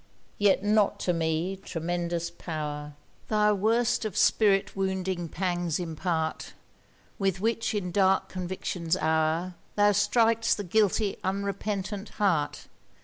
Yet not to me, tremendous power! Thy worst of spirit wounding pangs impart, With which, in dark conviction's hour, Thou strik'st the guilty unrepentant heart!